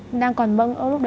em đang còn bận